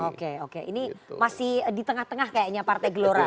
oke oke ini masih di tengah tengah kayaknya partai gelora